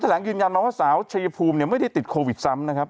แหลงยืนยันมาว่าสาวชายภูมิไม่ได้ติดโควิดซ้ำนะครับ